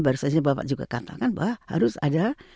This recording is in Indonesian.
baru saja bapak juga katakan bahwa harus ada